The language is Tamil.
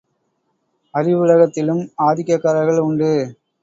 அறிவுலகத்திலும் ஆதிக்கக் காரர்கள் உண்டு.